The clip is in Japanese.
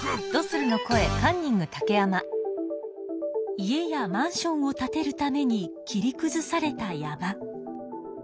家やマンションを建てるために切りくずされた山。